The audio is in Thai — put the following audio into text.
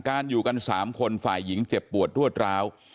กาญอยู่กัน๓คนฝ่ายหญิงเจ็บปวดทั่วตราว